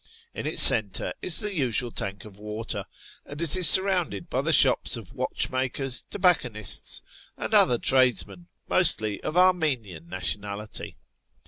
In its centre is the usual tank of water, and it is surrounded by the shops of watchmakers, tobacconists, and other tradesmen, mostly of Armenian nation ality.